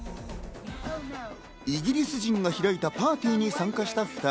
イギリス人が開いたパーティーに参加した２人。